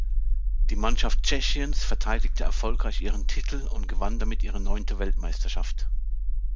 Die Mannschaft Tschechiens verteidigte erfolgreich ihren Titel und gewann damit ihre neunte Weltmeisterschaft.